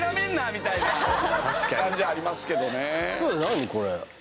みたいな感じありますけどね